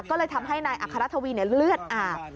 ก็เลยทำให้อาคารถวีเรื่อยอ่าน